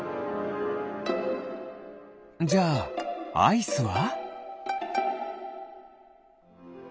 じゃあアイスは？